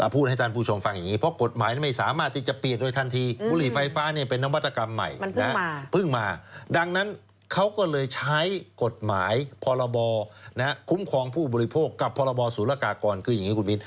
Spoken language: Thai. พูดให้ทาลผู้ชมฟังแบบนี้